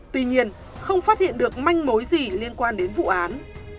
tuy nhiên không phát hiện được manh mối gì liên quan đến vụ án